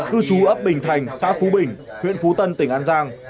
từ chú ấp bình thành xã phú bình huyện phú tân tỉnh an giang